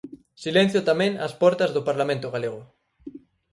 Silencio tamén ás portas do Parlamento galego.